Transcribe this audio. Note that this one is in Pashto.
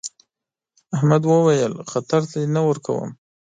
احمد وويل: خطر ته دې نه ورکوم.